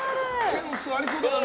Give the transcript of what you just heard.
センスありそうだな！